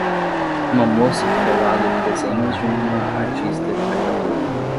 Uma moça fica ao lado de desenhos de uma artista de caricatura.